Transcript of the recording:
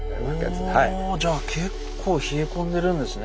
おじゃあ結構冷え込んでるんですね。